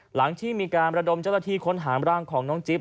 หลังที่มีการระดมเจ้าหน้าที่ค้นหามร่างของน้องจิ๊บ